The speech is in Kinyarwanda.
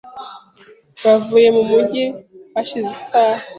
Bavuye mu mujyi hashize isaha .